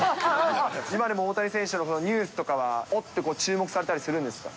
今でも大谷選手のニュースとかは、おっ！って、注目されたりするんですか。